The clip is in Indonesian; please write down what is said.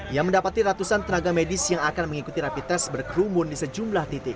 ia mendapati ratusan tenaga medis yang akan mengikuti rapi tes berkerumun di sejumlah titik